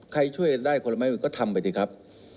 เค้าช่วยได้คนอีกก็ทำไปไปครับ